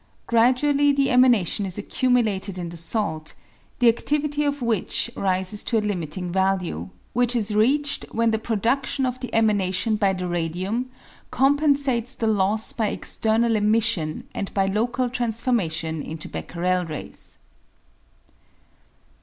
Gradually the emanation is accumulated in the salt, the adiivity of which rises to a limiting value, which is reached when the produdtion of the emanation by the radium com pensates the loss by external emission and by local trans formation into Becquerel rays.